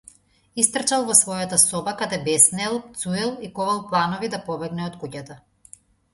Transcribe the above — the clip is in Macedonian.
Истрчал во својата соба каде беснеел, пцуел и ковал планови да побегне од куќата.